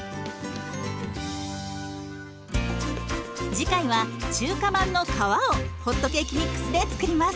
次回は中華まんの皮をホットケーキミックスで作ります。